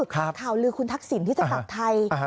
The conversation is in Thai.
ข่าวลือคุณทักษิณที่จะกลับไทย